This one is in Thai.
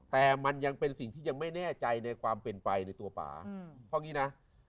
แต่มันยังเป็นสิ่งที่ยังไม่แน่ใจในความเป็นไปในตัวป่าเพราะงี้นะ